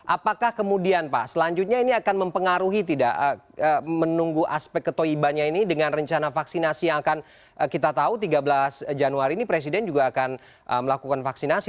apakah kemudian pak selanjutnya ini akan mempengaruhi tidak menunggu aspek ketoibannya ini dengan rencana vaksinasi yang akan kita tahu tiga belas januari ini presiden juga akan melakukan vaksinasi